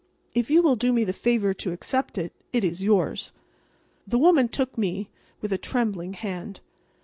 If you will do me the favor to accept it, it is yours." The woman took me with a trembling hand.